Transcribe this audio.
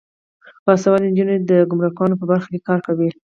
باسواده نجونې د ګمرکونو په برخه کې کار کوي.